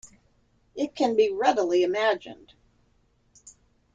It can be readily imagined.